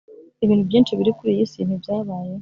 ibintu byinshi biri kuri iyi si ntibyabayeho.